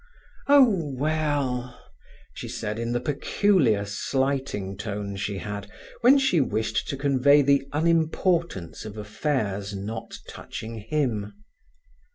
"Oh, well!" she said, in the peculiar slighting tone she had when she wished to convey the unimportance of affairs not touching him.